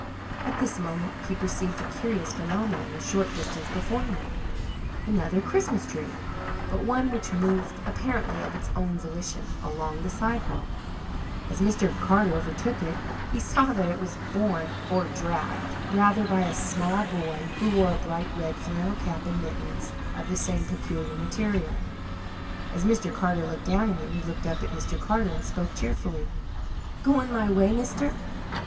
At this moment he perceived a curious phenomenon a short distance before him another Christmas tree, but one which moved, apparently of its own volition, along the sidewalk. As Mr. Carter overtook it, he saw that it was borne, or dragged, rather by a small boy who wore a bright red flannel cap and mittens of the same peculiar material. As Mr. Carter looked down at him, he looked up at Mr. Carter, and spoke cheerfully: "Goin' my way, mister?"